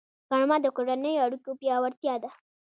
غرمه د کورنیو اړیکو پیاوړتیا ده